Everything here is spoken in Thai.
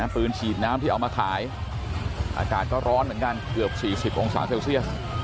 ปืนฉีดน้ำที่เอามาขายอากาศก็ร้อนเหมือนกันเกือบ๔๐องศาเซลเซียส